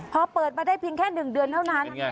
พอเปิดมาได้เพียงแค่๑เดือนเท่านั้น